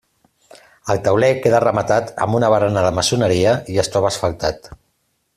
El tauler queda rematat amb una barana de maçoneria i es troba asfaltat.